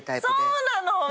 そうなの！